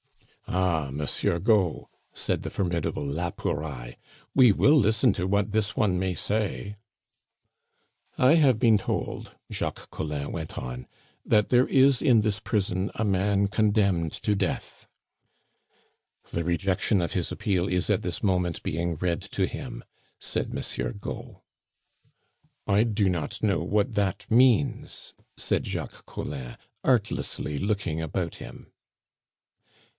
"Ay, Monsieur Gault," said the formidable la Pouraille, "we will listen to what this one may say " "I have been told," Jacques Collin went on, "that there is in this prison a man condemned to death." "The rejection of his appeal is at this moment being read to him," said Monsieur Gault. "I do not know what that means," said Jacques Collin, artlessly looking about him.